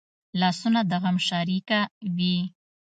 لاسونه د غم شریکه وي